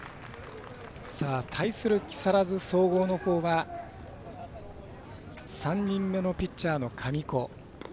対する木更津総合のほうは３人目のピッチャーの神子。